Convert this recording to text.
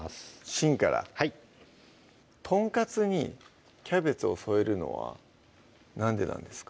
芯からはいトンカツにキャベツを添えるのはなんでなんですか？